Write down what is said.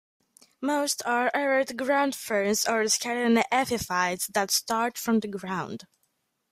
Most are erect ground ferns or scandent epiphytes that start from the ground.